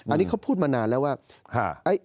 อันนี้เขาพูดมานานแล้วว่า